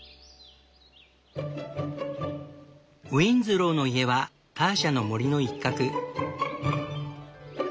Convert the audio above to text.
ウィンズローの家はターシャの森の一角。